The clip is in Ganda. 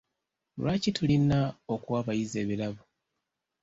Lwaki tulina okuwa abayizi ebirabo?